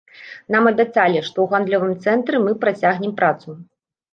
Нам абяцалі, што ў гандлёвым цэнтры мы працягнем працу.